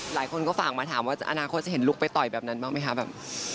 หลายคนก็ฝากมาถามว่าอนาคตจะเห็นลุกไปต่อยแบบนั้นบ้างไหมคะแบบ